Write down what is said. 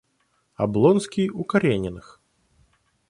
Облонский у Карениных.